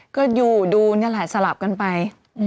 ก็อยู่ดูนี่แหละสลับกันไป